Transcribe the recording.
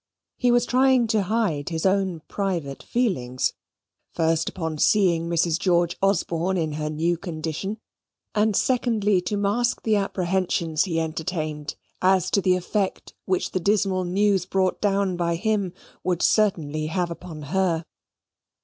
He was trying to hide his own private feelings, first upon seeing Mrs. George Osborne in her new condition, and secondly to mask the apprehensions he entertained as to the effect which the dismal news brought down by him would certainly have upon her.